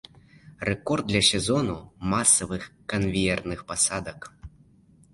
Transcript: Рэкорд для сезону масавых канвеерных пасадак.